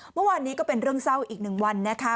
เมื่อวานนี้ก็เป็นเรื่องเศร้าอีกหนึ่งวันนะคะ